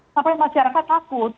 sampai masyarakat takut